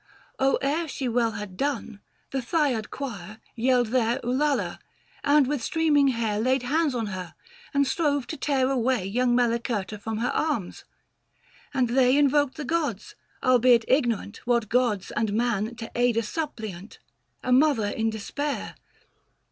610 Or ere she well had done, the Thyad choir Yelled their ulalah ! and with streaming hair Laid hands on her, and strove to tear away Young Melicerta from her arms : and they Invoked the gods, albeit ignorant 615 What gods, and man to aid a suppliant — A mother in despair.